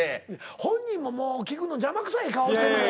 本人ももう聞くの邪魔くさい顔してるやん。